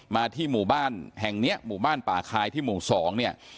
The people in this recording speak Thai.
ที่หมู่บ้านแห่งเนี้ยหมู่บ้านป่าคายที่หมู่สองเนี่ย